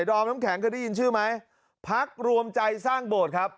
อมน้ำแข็งเคยได้ยินชื่อไหมพักรวมใจสร้างโบสถ์ครับ